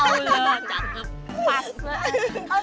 makanya cantik banget